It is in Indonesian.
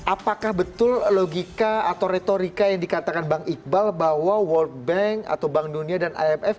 apakah betul logika atau retorika yang dikatakan bang iqbal bahwa world bank atau bank dunia dan imf